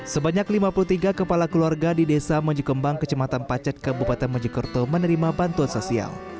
sebanyak lima puluh tiga kepala keluarga di desa mojekembang kecematan pacet kabupaten mojokerto menerima bantuan sosial